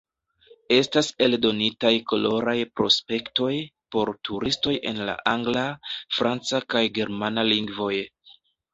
Estas eldonitaj koloraj prospektoj por turistoj en la angla, franca kaj germana lingvoj.